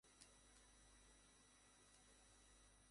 যেটার উত্তর আমরা দিচ্ছি না।